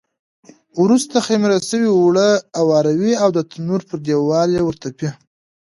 وروسته خمېره شوي اوړه اواروي او د تنور پر دېوال ورتپي.